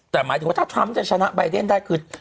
แต่หมายถึงว่าถ้าทรัมป์จะชนะใบเดนได้คือ